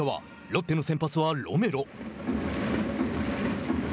ロッテの先発はロメロ。